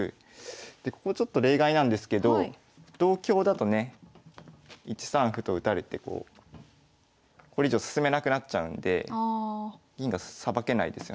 でここちょっと例外なんですけど同香だとね１三歩と打たれてこれ以上進めなくなっちゃうんで銀がさばけないですよね。